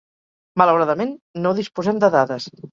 Malauradament, no disposem de dades